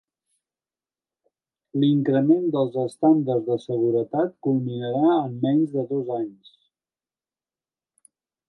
L'increment dels estàndards de seguretat culminarà en menys de dos anys.